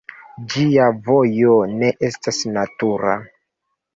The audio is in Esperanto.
Ĝia vojo ne estas natura.